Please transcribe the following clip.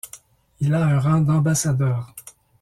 Il a un rang d'ambassadeur.